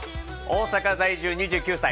大阪在住、２９歳。